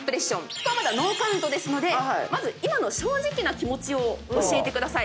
ここはまだノーカウントですのでまず今の正直な気持ちを教えてください。